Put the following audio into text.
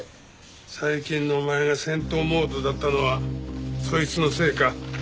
最近のお前が戦闘モードだったのはそいつのせいか。